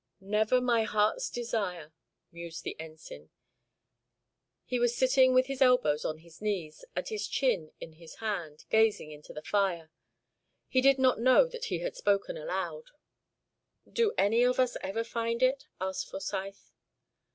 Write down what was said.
"Never my heart's desire," mused the Ensign. He was sitting with his elbows on his knees and his chin in his hands, gazing into the fire. He did not know that he had spoken aloud. "Do any of us ever find it?" asked Forsyth.